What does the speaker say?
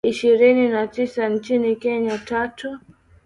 Ishirini na tisa nchini Kenya, tatu.